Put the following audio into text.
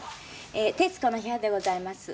『徹子の部屋』でございます。